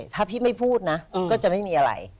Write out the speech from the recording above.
ถ้าพี่ไม่พูดนะก็จะไม่มีอะไร